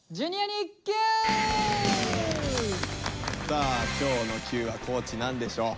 さあ今日の「Ｑ」は地何でしょう？